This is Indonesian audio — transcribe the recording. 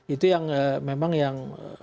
itu yang memang